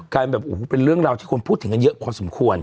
แบบโอ้โหเป็นเรื่องราวที่คนพูดถึงกันเยอะพอสมควร